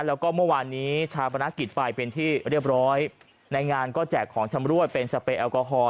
แล้วก็เมื่อวานนี้ชาปนกิจไปเป็นที่เรียบร้อยในงานก็แจกของชำรวยเป็นสเปรแอลกอฮอล